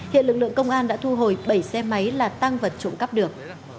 hiện lực lượng công an đã thu hồi bảy xe máy là tăng vật trộm cắp được